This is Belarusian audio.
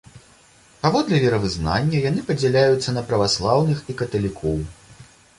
Паводле веравызнання, яны падзяляюцца на праваслаўных і каталікоў.